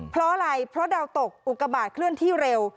เพราะอะไรเพราะดาวตกอุกบาทเคลื่อนที่เร็ว